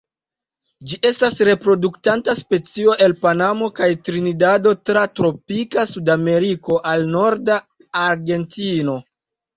Ĝi estas reproduktanta specio el Panamo kaj Trinidado tra tropika Sudameriko al norda Argentino.